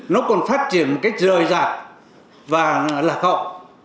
nó còn phát triển một cách rời rạt và lạc hậu